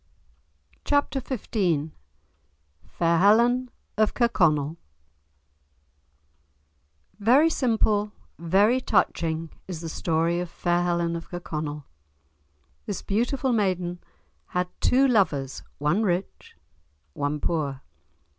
*Chapter XV* *Fair Helen of Kirkconnell* Very simple, very touching, is the story of fair Helen of Kirkconnell. This beautiful maiden had two lovers, one rich, one poor.